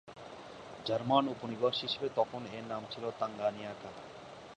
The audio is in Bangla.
জার্মান উপনিবেশ হিসেবে তখন এর নাম ছিল তাঙ্গানিয়াকা।